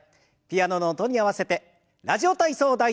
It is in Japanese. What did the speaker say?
ピアノの音に合わせて「ラジオ体操第１」。